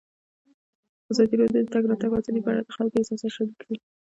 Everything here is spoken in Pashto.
ازادي راډیو د د تګ راتګ ازادي په اړه د خلکو احساسات شریک کړي.